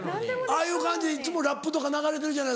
ああいう感じでいっつもラップとか流れてるじゃない？